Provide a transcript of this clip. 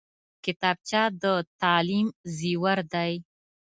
کتابچه د تعلیم زیور دی